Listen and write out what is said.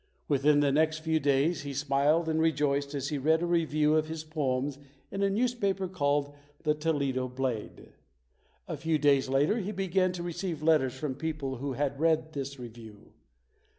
Within the next few days he smiled and re joiced as he read a review of his poems in a news paper called The Toledo Blade. A few days later he began to receive letters from people who had read this review.